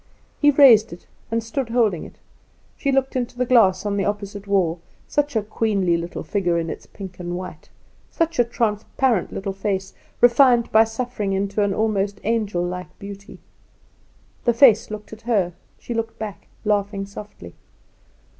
He raised it, and stood holding it. She looked into the glass on the opposite wall. Such a queenly little figure in its pink and white. Such a transparent little face, refined by suffering into an almost angel like beauty. The face looked at her; she looked back, laughing softly.